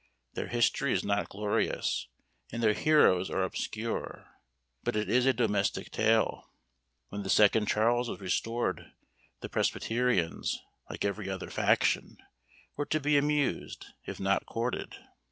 Their history is not glorious, and their heroes are obscure; but it is a domestic tale. When the second Charles was restored, the presbyterians, like every other faction, were to be amused, if not courted.